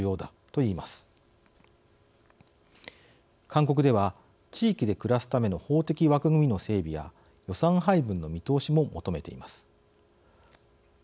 勧告では地域で暮らすための法的枠組みの整備や予算配分の見直しも求めています。